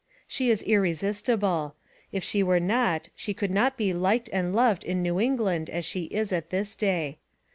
She is irresistible ; if she were not she could not be liked and loved in New England as she is at this day.